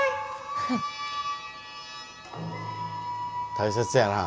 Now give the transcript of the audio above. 大切やな。